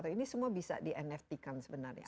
ini semua bisa di nft kan sebenarnya apa